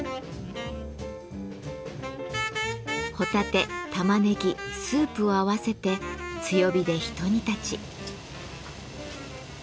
ホタテタマネギスープを合わせて強火でひと煮立ち。